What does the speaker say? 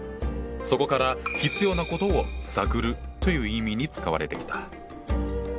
そこから必要なことを「探る」という意味に使われてきた。